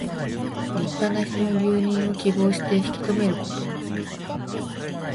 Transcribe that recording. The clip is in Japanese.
立派な人の留任を希望して引き留めること。